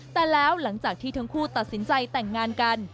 แต่แล้วหลังจากที่ทั้งคู่ตัดสินใจแต่งงานกัน